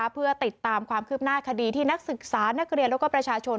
เพื่อติดตามความคืบหน้าคดีที่นักศึกษานักเรียนแล้วก็ประชาชน